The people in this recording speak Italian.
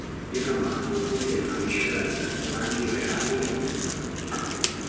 Il romanzo contiene una miscela di personaggi reali e inventati.